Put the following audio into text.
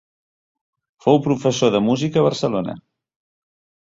Fou professor de música a Barcelona.